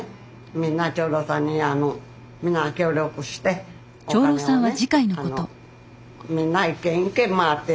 みんな長老さんにみんな協力してお金をね。